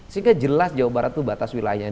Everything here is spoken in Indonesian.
sehingga jelas jawa barat itu batas wilayahnya